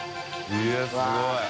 いやすごい。